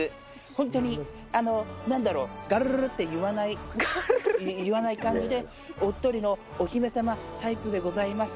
本当に、なんだろう、がるるるって言わない、言わない感じで、おっとりのお姫様タイプでございます。